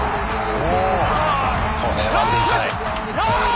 これはでかい。